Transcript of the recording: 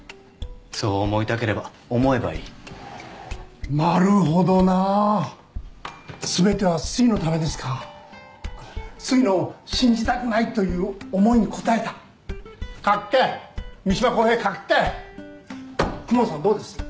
そう思いたければ思えばいいなるほどな全てはすいのためですかすいの信じたくないという思いに応えたかっけえ三島公平かっけえ公文さんどうです？